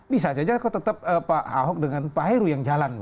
bisa saja kok tetap pak ahok dengan pak heru yang jalan